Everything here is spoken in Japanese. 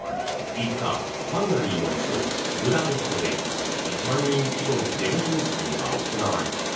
５日ハンガリーの首都ブダペストで１万人規模のデモ行進が行われた。